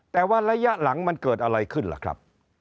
แต่ว่าระยะหลังมันเกิดอะไรขึ้นล่ะครับ